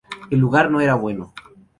El lugar no era bueno.